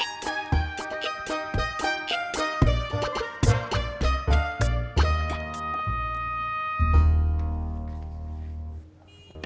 susah udah gak bisa diapa apain